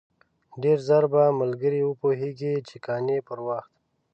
ډېر ژر به ملګري وپوهېږي چې قانع پر وخت.